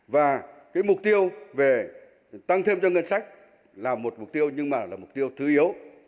và cái mục tiêu về tăng thêm cho ngân sách là một mục tiêu nhưng mà là mục tiêu thứ yếu